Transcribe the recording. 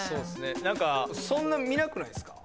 何かそんな見なくないっすか？